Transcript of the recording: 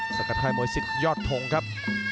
สังกัดค่ายหมวย๑๐ยอดทงครับ